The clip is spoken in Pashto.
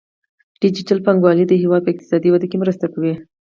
ډیجیټل بانکوالي د هیواد په اقتصادي وده کې مرسته کوي.